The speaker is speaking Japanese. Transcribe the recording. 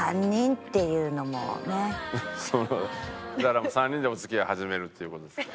それはだから３人でお付き合い始めるっていう事ですか？